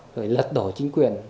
rồi lật đổ chính quyền